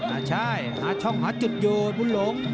อ่าใช่หาช่องหาจุดโยนบุญหลง